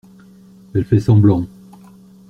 Elle fait semblant.